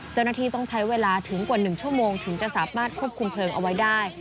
เจ้าหน้าที่ต้องใช้เวลาถึงกว่า๑ชั่วโมงถึงจะสามารถควบคุมเพลิงเอาไว้ได้